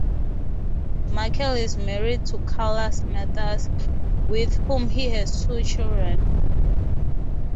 Markell is married to Carla Smathers, with whom he has two children.